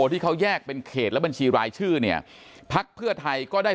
ที่เขาแยกเป็นเขตและบัญชีรายชื่อเนี่ยพักเพื่อไทยก็ได้